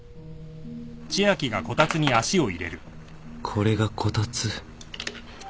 これがこたつ？